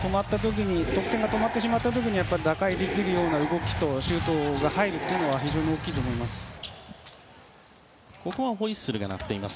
得点が止まってしまった時に打開できるような動きとシュートが入るというのは非常に大きいと思います。